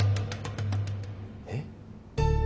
えっ？